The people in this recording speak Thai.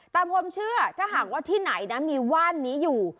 ตามความเชื่อถ้าหากว่าที่ไหนนะมีว่านนี้อยู่